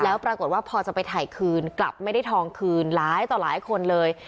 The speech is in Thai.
แล้วปรากฏว่าพอจะไปถ่ายคืนกลับไม่ได้ทองคืนหลายต่อหลายคนเลย